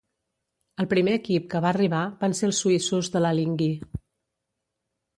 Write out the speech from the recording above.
El primer equip que va arribar van ser els suïssos de l'Alinghi